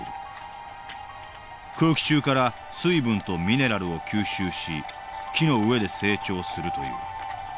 空気中から水分とミネラルを吸収し木の上で成長するという。